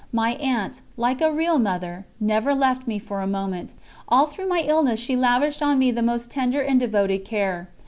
My aunt, like a real mother, never left me for a moment; all through my illness she lavished on me the most tender and devoted care.